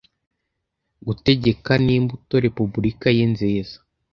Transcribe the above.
gutegeka n'imbuto repubulika ye nziza